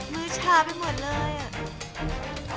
มือชาไปหมดเลยอ่ะ